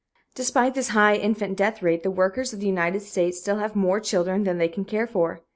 Despite this high infant death rate, the workers of the United States still have more children than they can care for.